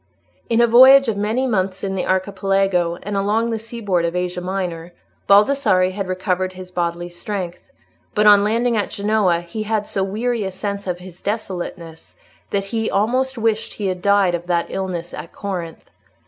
In a voyage of many months in the Archipelago and along the seaboard of Asia Minor, Baldassarre had recovered his bodily strength, but on landing at Genoa he had so weary a sense of his desolateness that he almost wished he had died of that illness at Corinth.